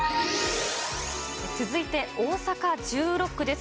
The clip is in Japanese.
続いて大阪１６区です。